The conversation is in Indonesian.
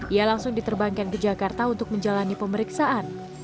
ia langsung diterbangkan ke jakarta untuk menjalani pemeriksaan